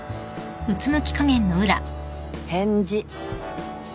返事。